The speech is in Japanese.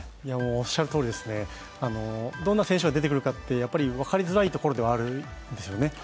おっしゃるとおりですね、どんな選手が出てくるか、やっぱり分かりづらいところではあるんですよね。